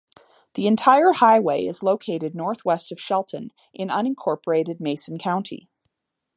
The entire highway is located northwest of Shelton in unincorporated Mason County.